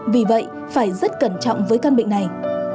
vì vậy phải rất cẩn trọng với căn bệnh này